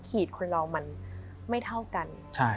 ขีดคนเรามันไม่เท่ากัน